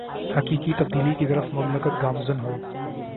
حقیقی تبدیلی کی طرف مملکت گامزن ہو